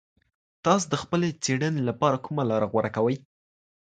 تاسو د خپلې څېړني لپاره کومه لاره غوره کوئ؟